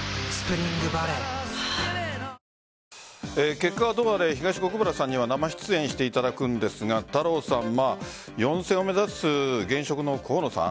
結果はどうであれ東国原さんには生出演していただくんですが４選を目指す現職の河野さん